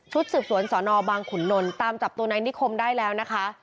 สืบสวนสอนอบางขุนนลตามจับตัวนายนิคมได้แล้วนะคะ